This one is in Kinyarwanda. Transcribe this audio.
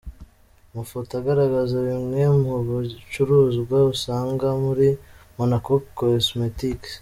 Amafoto agaragaza bimwe mu bicuruzwa uzasanga muri Monaco Cosmetics.